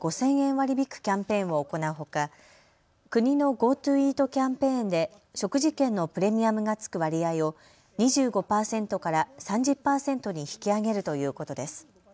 割り引くキャンペーンを行うほか国のＧｏＴｏイートキャンペーンで食事券のプレミアムがつく割合を２５％から３０％に引き上げるということです。